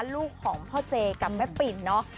ลูกของพ่อเจกับแม่ปิ่นเนาะ